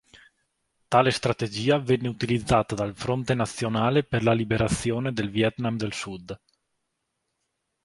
Tale strategia venne utilizzata dal Fronte Nazionale per la Liberazione del Vietnam del Sud.